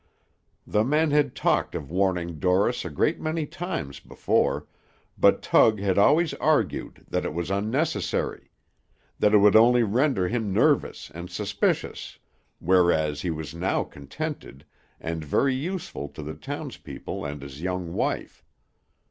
The men had talked of warning Dorris a great many times before, but Tug had always argued that it was unnecessary; that it would only render him nervous and suspicious, whereas he was now contented, and very useful to the townspeople and his young wife.